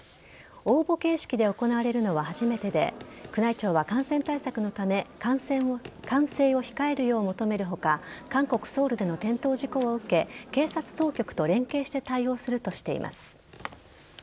応募形式で行われるのは初めてで宮内庁は、感染対策のため歓声を控えるよう求めている他韓国・ソウルでの転倒事故を受け警察当局と連携して対応するとしています。